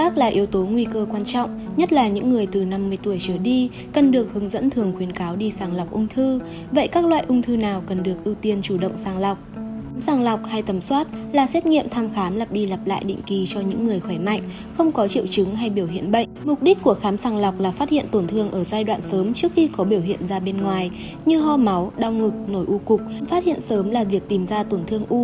các bạn hãy đăng ký kênh để ủng hộ kênh của chúng mình nhé